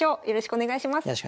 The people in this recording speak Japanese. よろしくお願いします。